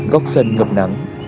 góc sân ngập nắng